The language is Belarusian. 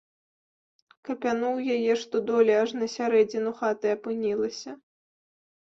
Капянуў яе, што доле аж на сярэдзіну хаты апынілася.